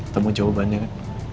temu jawabannya kan